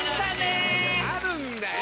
あるんだよ。